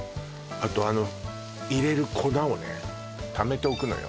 あとあの入れる粉をためておくのよ